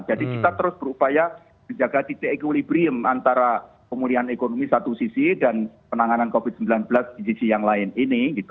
jadi kita terus berupaya menjaga titik equilibrium antara pemulihan ekonomi satu sisi dan penanganan covid sembilan belas di sisi yang lain ini